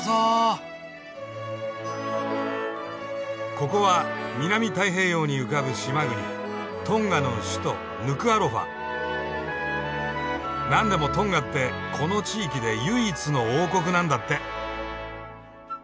ここは南太平洋に浮かぶ島国トンガの首都なんでもトンガってこの地域で唯一の王国なんだって。